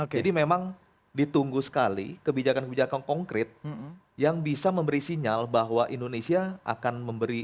jadi memang ditunggu sekali kebijakan kebijakan konkret yang bisa memberi sinyal bahwa indonesia akan berjalan